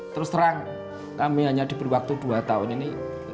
terus terang kami hanya diberi waktu dua tahun ini